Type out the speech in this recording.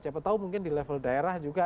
siapa tahu mungkin di level daerah juga